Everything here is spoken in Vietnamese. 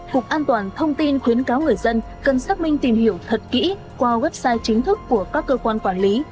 cục an toàn thông tin khuyến cáo người dân cần xác minh tìm hiểu thật kỹ qua website chính thức của các cơ quan quản lý